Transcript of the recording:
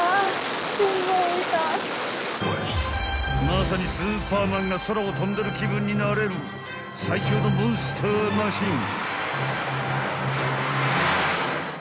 ［まさにスーパーマンが空を飛んでる気分になれる最強のモンスターマシン］